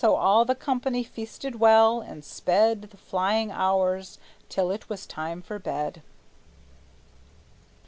So all the company feasted well, and sped The flying hours, till it was time for bed.